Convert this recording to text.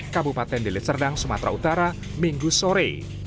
kabupaten delitserdang sumatera utara minggu sore